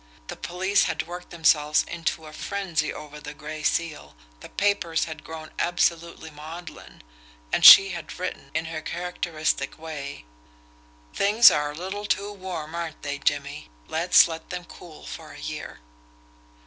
The police had worked themselves into a frenzy over the Gray Seal, the papers had grown absolutely maudlin and she had written, in her characteristic way: Things are a little too warm, aren't they, Jimmie? Let's let them cool for a year.